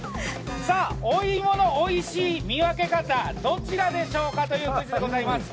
お芋のおいしい見分け方どちらでしょうかというクイズです。